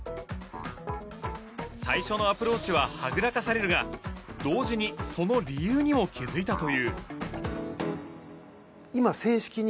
最初のアプローチははぐらかされるが同時にその理由にも気付いたという。